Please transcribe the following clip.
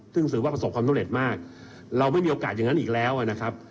ซึ่งถือว่าประสบความสำเร็จมากเราไม่มีโอกาสอย่างนั้นอีกแล้วนะครับ